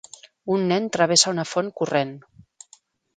Un nen travessa una font corrent.